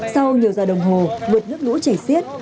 sau nhiều giờ đồng hồ vượt nước lũ chảy xiết